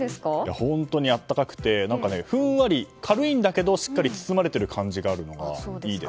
本当に温かくてふんわり軽いんだけどしっかり包まれてる感じがあるのがいいですね。